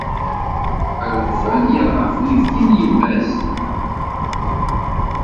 Alufan yerɣa ɣef uyefki n yemma-s.